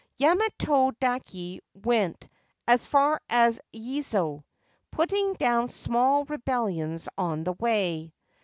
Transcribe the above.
Yamato dake went as far as Yezo, putting down small rebellions on the way.